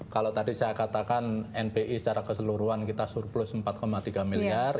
kalau tadi saya katakan nbi secara keseluruhan kita surplus empat tiga miliar